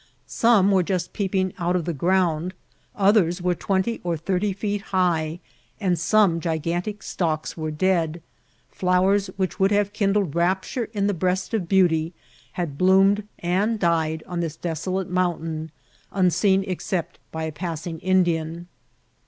Some were just peeping out of the ground, others were twenty ot thirty feet high, and some gigantic stalks were dead ; flowers which would have kindled rapture in the breast of beauty had bloomed and died on this desolate mount ain, unseen except by a passing Indian.